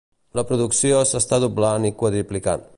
La producció s'està doblant i quadruplicant.